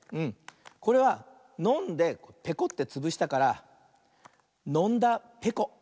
これはのんでぺこってつぶしたから「のんだぺこ」。